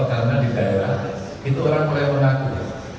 karena di daerah itu orang mulai mengaku